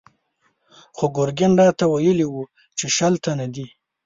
خو ګرګين راته ويلي و چې شل تنه دي.